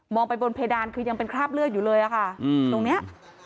ไปบนเพดานคือยังเป็นคราบเลือดอยู่เลยอะค่ะตรงเนี้ย